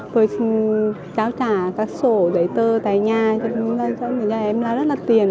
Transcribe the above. vừa tráo trả các sổ giấy tờ tại nhà cho nên là cho mình là em là rất là tiền